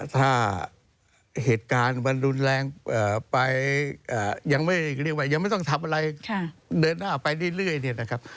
ถ้าเหตุการณ์มันรุนแรงไปยังไม่เรียกว่ายังไม่ต้องทำอะไรเดินหน้าไปเรื่อยเนี่ยนะครับ